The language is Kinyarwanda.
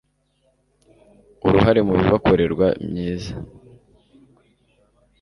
uruhare mu bibakorerwa myiza